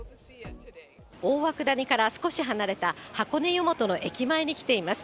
大涌谷から少し離れた箱根湯本の駅前に来ています。